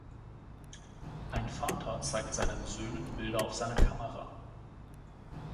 Ein Vater zeigt seinen Söhnen Bilder auf seiner Kamera.